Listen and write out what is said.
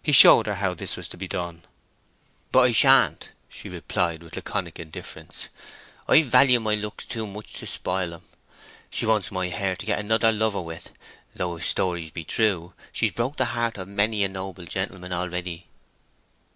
He showed her how this was to be done. "But I sha'nt," she replied, with laconic indifference. "I value my looks too much to spoil 'em. She wants my hair to get another lover with; though if stories are true she's broke the heart of many a noble gentleman already."